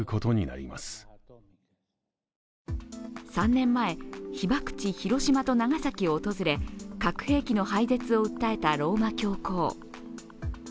３年前、被爆地・広島と長崎を訪れ核兵器の廃絶を訴えたローマ教皇。